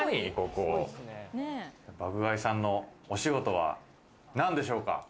ここ。爆買いさんのお仕事は何でしょうか。